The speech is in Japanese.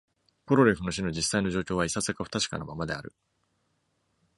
コロレフの死の実際の状況は、いささか不確かなままである。